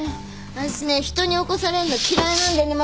私ね人に起こされんの嫌いなんだよね。